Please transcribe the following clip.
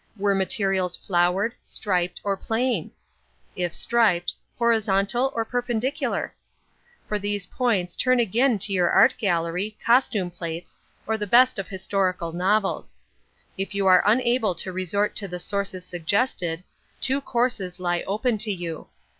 Were materials flowered, striped, or plain? If striped, horizontal or perpendicular? For these points turn again to your art gallery, costume plates, or the best of historical novels. If you are unable to resort to the sources suggested, two courses lie open to you.